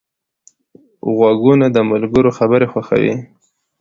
غوږونه د ملګرو خبرې خوښوي